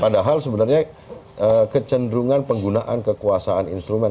padahal sebenarnya kecenderungan penggunaan kekuasaan instrumen